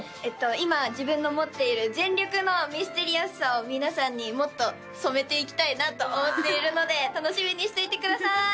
今自分の持っている全力のミステリアスさを皆さんにもっと染めていきたいなと思っているので楽しみにしていてください！